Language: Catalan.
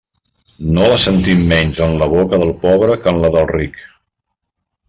No la sentim menys en la boca del pobre que en la del ric.